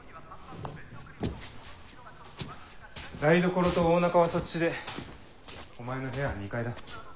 台所と大仲はそっちでお前の部屋は２階だ。